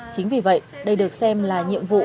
chính vì vậy đây được xem là nhiệm vụ